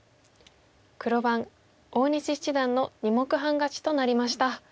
黒番大西七段の２目半勝ちとなりました。